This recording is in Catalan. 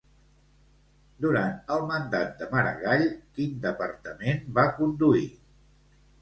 Durant el mandat de Maragall, quin departament va conduir?